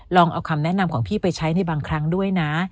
ลองเอาคำแนะนำของพี่ไปใช้ในบางครั้งด้วยนะ